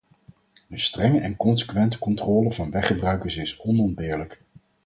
Een strenge en consequente controle van weggebruikers is onontbeerlijk.